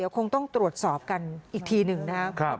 คงต้องตรวจสอบกันอีกทีหนึ่งนะครับ